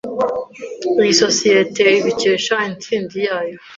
Iyi sosiyete ibikesha intsinzi yayo.